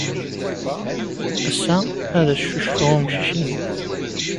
Ass-a, ad as-ccucfeɣ i umcic-inu.